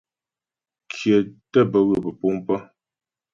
Kyə̀ tə́ bə ywə pə́puŋ pə̀.